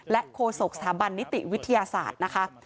โฆษกสถาบันนิติวิทยาศาสตร์นะคะ